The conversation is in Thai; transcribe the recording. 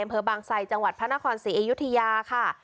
อำเภอบางไซจังหวัดพระนครศรีอยุธยาค่ะ